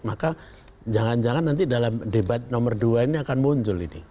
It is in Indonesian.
maka jangan jangan nanti dalam debat nomor dua ini akan muncul ini